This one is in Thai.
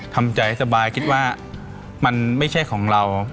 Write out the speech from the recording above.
ทำใจให้สบายคิดว่ามันไม่ใช่ของเรา